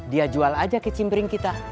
dia jual aja ke cimbring kita